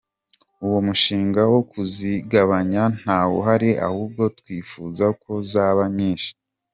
Uwo mushinga wo kuzigabanya nta wuhari ahubwo twifuza ko zaba nyinshi.